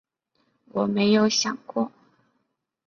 我没有想过